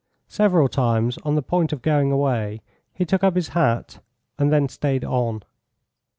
Several times, on the point of going away, he took up his hat, and then stayed on.